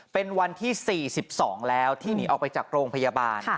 เป็นวันที่๔๒แล้วที่หนีออกไปจากโรงพยาบาล